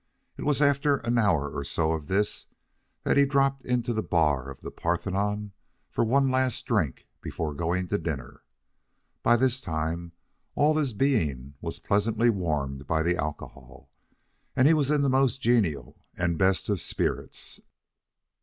It was after an hour or so of this that he dropped into the bar of the Parthenon for one last drink before going to dinner. By this time all his being was pleasantly warmed by the alcohol, and he was in the most genial and best of spirits.